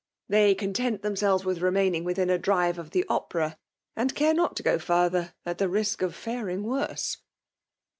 They coo tent dmnselves with remaining withm a drive of the Opera ; and care not to go fiurther, at the risk of faring worse."